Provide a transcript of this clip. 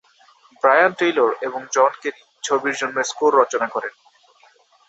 Brian Taylor এবং John Kerry ছবির জন্য স্কোর রচনা করেন।